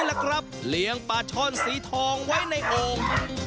เหลียงปลาช่อนสีทองไว้ในโอ่ง